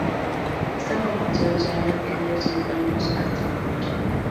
Esta formación se ha mantenido sin cambios hasta la fecha.